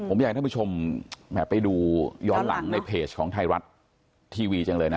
ผมอยากให้ท่านผู้ชมไปดูย้อนหลังในเพจของไทยรัฐทีวีจังเลยนะ